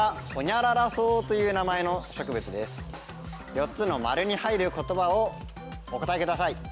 ４つの○に入る言葉をお答えください。